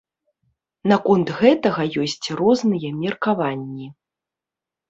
Наконт гэтага ёсць розныя меркаванні.